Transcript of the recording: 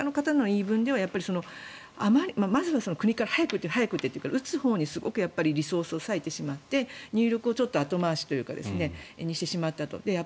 自治体の方の言い分では国から早く打てって言われて打つほうにリソースを割いてしまって入力をちょっと後回しにしてしまったと。